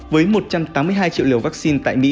với một trăm tám mươi hai triệu liều vắc xin tại mỹ